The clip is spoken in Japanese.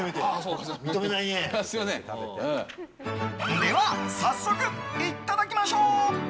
では早速、いただきましょう。